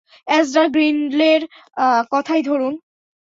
Ezra গ্রিন্ডলের কথাই ধরুন।